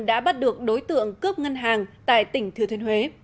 đã bắt được đối tượng cướp ngân hàng tại tỉnh thừa thiên huế